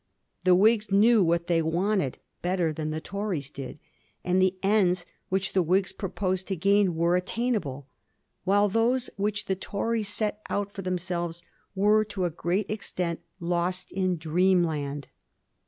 The Whigs knew what they wanted better than the Tories did, and the ends which the Whigs proposed to gain were attainable, while those which the Tories set out for themselves were to a great extent lost in dreamland.